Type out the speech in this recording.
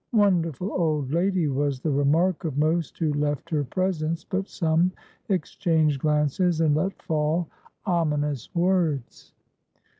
"Wonderful old lady!" was the remark of most who left her presence; but some exchanged glances and let fall ominous words.